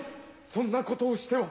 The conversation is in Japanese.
そんなことをしては。